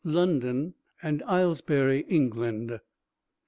_, London and Aylesbury, England.